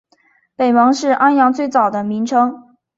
北蒙是安阳最早的名称。